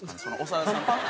長田さんとか。